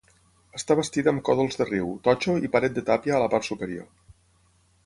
Està bastida amb còdols de riu, totxo i paret de tàpia a la part superior.